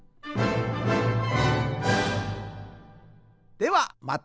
ではまた。